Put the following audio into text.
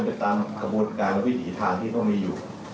อันนี้ก็ต้องเป็นตามกระบวนการและวิถีฐานที่เขามีอยู่